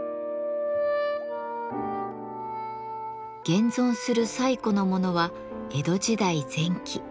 現存する最古のものは江戸時代前期。